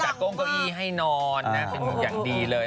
จากเก้าอีให้นอนทั้งอย่างดีเลย